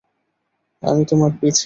আমি তোমার পিছে।